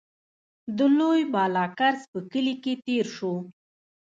د لوی بالاکرز په کلي کې تېر شوو.